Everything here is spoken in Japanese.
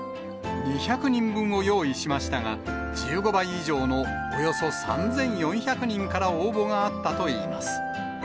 ２００人分を用意しましたが、１５倍以上のおよそ３４００人から応募があったといいます。